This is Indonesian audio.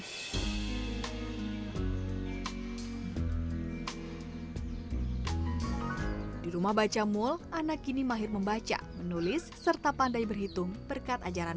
hai di rumah baca mul anak kini mahir membaca menulis serta pandai berhitung berkat ajaran